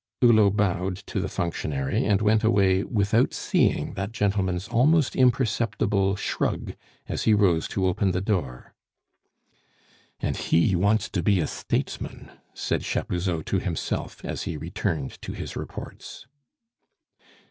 Hulot bowed to the functionary, and went away without seeing that gentleman's almost imperceptible shrug as he rose to open the door. "And he wants to be a statesman!" said Chapuzot to himself as he returned to his reports.